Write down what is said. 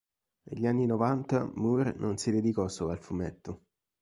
Negli anni novanta Moore non si dedicò solo al fumetto.